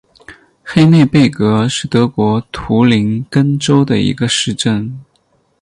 黑内贝格是德国图林根州的一个市镇。